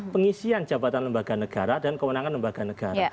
pengisian jabatan lembaga negara dan kewenangan lembaga negara